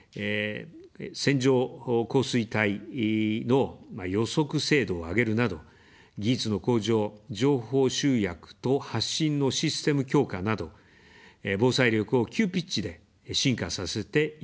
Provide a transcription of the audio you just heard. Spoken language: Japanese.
線状降水帯の予測精度を上げるなど、技術の向上、情報集約と発信のシステム強化など、防災力を急ピッチで進化させていきます。